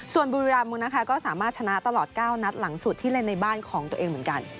ส่วนบุรีรำนะคะก็สามารถชนะตลอด๙นัดหลังสุดที่เล่นในบ้านของตัวเองเหมือนกัน